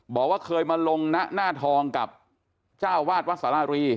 บอกว่าเคยมาลงนะหน้าทองกับเจ้าวาดวัดสารารี